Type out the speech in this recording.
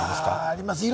あります。